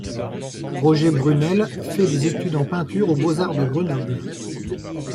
Roger Brunel fait des études en peinture aux Beaux-Arts de Grenoble.